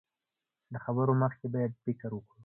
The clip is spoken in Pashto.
له خبرو مخکې بايد فکر وکړو.